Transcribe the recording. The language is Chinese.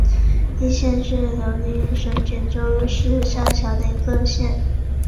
义县是辽宁省锦州市下辖的一个县。